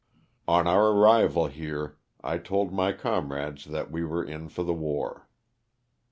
On our arrival here I told my comrades that we were in for the war.